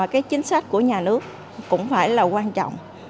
cái chính sách của nhà nước cũng phải là quan trọng